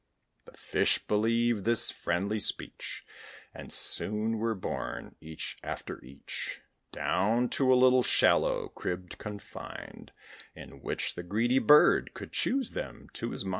The fish believed this friendly speech, And soon were borne, each after each, Down to a little shallow, cribbed, confined, In which the greedy bird could choose them to his mind.